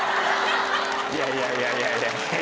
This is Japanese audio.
いやいやいやいや。